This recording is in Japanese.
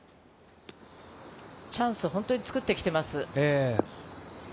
チャンスを本当に作ってきています。